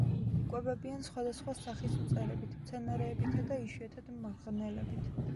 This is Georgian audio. იკვებებიან სხვადასხვა სახის მწერებით, მცენარეებითა და იშვიათად მღრღნელებით.